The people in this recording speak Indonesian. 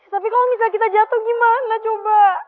tapi kalau misalnya kita jatuh gimana coba